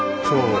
そう。